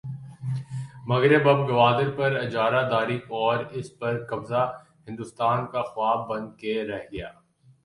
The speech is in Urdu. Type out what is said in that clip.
مگر اب گوادر پر اجارہ داری اور اس پر قبضہ ہندوستان کا خواب بن کے رہ گیا۔